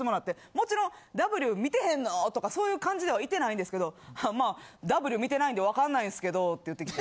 もちろん『Ｗ』見てへんの？とかそういう感じではいてないんですけど「はぁまあ『Ｗ』見てないんで分からないんですけど」って言ってきて。